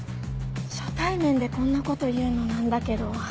初対面でこんなこと言うの何だけど。